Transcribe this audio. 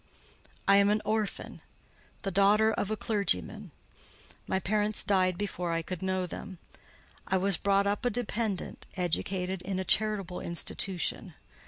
"I am an orphan, the daughter of a clergyman. My parents died before I could know them. I was brought up a dependent; educated in a charitable institution.